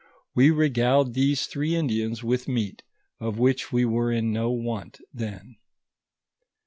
We regaled these three Indians with meat, of which we were in no want then.